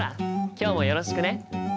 今日もよろしくね。